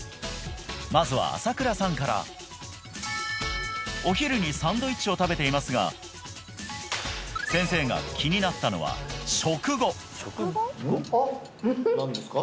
まずは麻倉さんからお昼にサンドイッチを食べていますが先生が気になったのは食後あっ！何ですか？